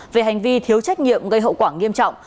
về hành vi thiếu trách nhiệm gây hậu quả nghiêm trọng